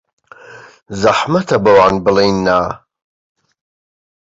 زەحمەتە بەوان بڵێین نا.